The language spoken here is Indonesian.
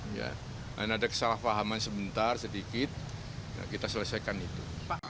ada kesalahpahaman sebentar sedikit kita selesaikan itu